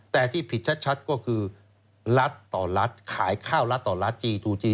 แต่ที่ผิดชัดก็คือรัฐต่อรัฐขายข้าวรัฐต่อรัฐจีทูจี